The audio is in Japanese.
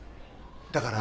だから。